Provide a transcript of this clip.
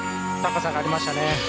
高さがありました。